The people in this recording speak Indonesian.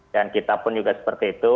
dan kita pun juga seperti itu